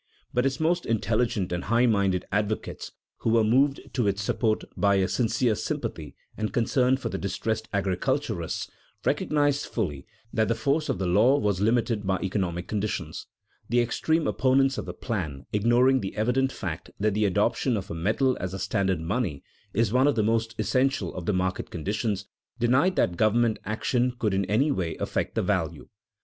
But its most intelligent and high minded advocates (who were moved to its support by a sincere sympathy and concern for the distressed agriculturalists) recognized fully that the force of the law was limited by economic conditions. The extreme opponents of the plan, ignoring the evident fact that the adoption of a metal as a standard money is one of the most essential of the market conditions, denied that government action could in any way affect the value.